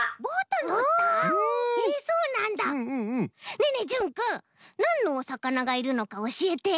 ねえねえじゅんくんなんのおさかながいるのかおしえて？